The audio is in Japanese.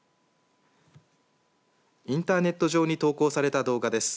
インターネット上に投稿された動画です。